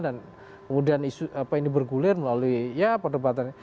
dan kemudian isu apa ini bergulir melalui ya perdebatan